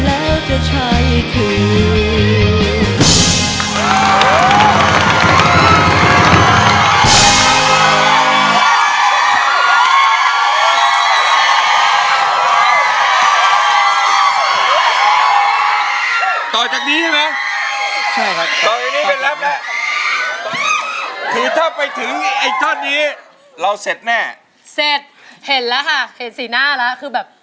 แล้วจะใช้คืน